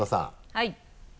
はい。